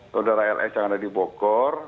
saudara ls yang ada di bogor